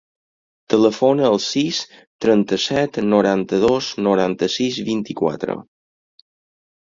Telefona al sis, trenta-set, noranta-dos, noranta-sis, vint-i-quatre.